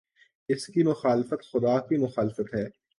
اس کی مخالفت خدا کی مخالفت ہے۔